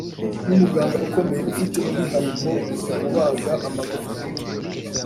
Numuganga ukomeye ufite umwihariko mukubaga amagufwa